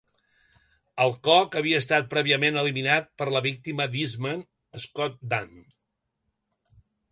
Elcock havia estat prèviament eliminat per la víctima d'Eastman, Scott Dann.